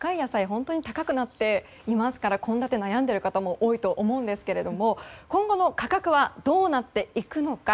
本当に高くなっていますから献立に悩んでいる方も多いと思うんですけど今後の価格はどうなっていくのか。